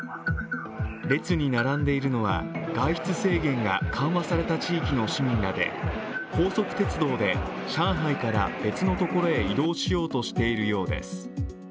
列に並んでいるのは、外出制限が緩和された地域の市民らで高速鉄道で上海から別の所へ移動しようとしているようです。